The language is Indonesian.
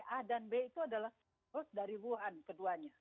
a dan b itu adalah host dari wuhan keduanya